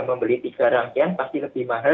membeli tiga rangkaian pasti lebih mahal